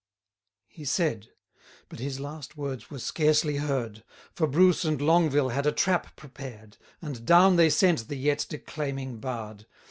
210 He said; but his last words were scarcely heard: For Bruce and Longville had a trap prepared, And down they sent the yet declaiming bard.